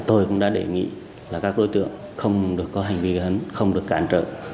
tôi cũng đã đề nghị các đối tượng không được có hành vi gây hấn không được cản trợ